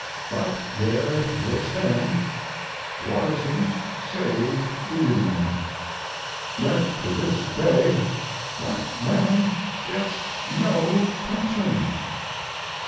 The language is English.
But there they stand: Watterson saved the Union. Yet to this day that man gets no pension.